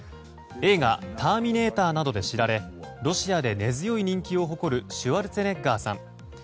映画「ターミネーター」などで知られロシアで根強い人気を誇るシュワルツェネッガーさん。